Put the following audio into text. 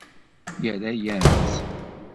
Yerra-yam-tt.